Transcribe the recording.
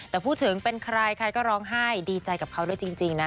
แต่พูดถึงเป็นใครใครก็ร้องไห้ดีใจกับเขาด้วยจริงนะ